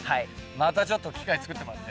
またちょっと機会つくってもらって。